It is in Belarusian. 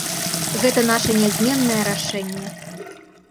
Гэта наша нязменнае рашэнне.